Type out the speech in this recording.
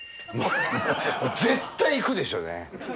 もう絶対行くでしょうね。